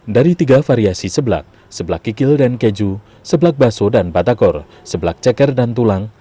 dari tiga variasi sebelak sebelak kikil dan keju sebelak bakso dan batagor sebelak ceker dan tulang